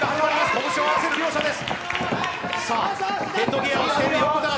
拳を合わせる両者です。